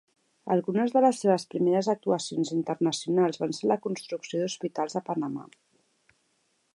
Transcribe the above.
Algunes de les seves primeres actuacions internacionals van ser la construcció d'hospitals a Panamà.